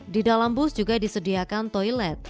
di dalam bus juga disediakan toilet